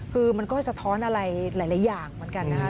คือมันก็สะท้อนอะไรหลายอย่างเหมือนกันนะคะ